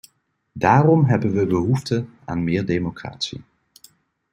Daarom hebben we behoefte aan meer democratie.